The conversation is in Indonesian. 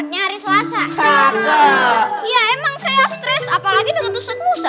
ya emang saya stres apalagi deket ustadz musa